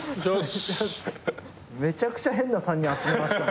めちゃくちゃ変な３人集めましたね。